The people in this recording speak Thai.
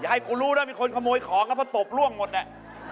อย่าให้กูรู้นะมีคนขโมยของแล้วเพราะตบร่วงหมดนี่